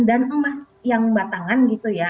dan emas yang batangan gitu ya